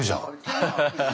アハハハハ。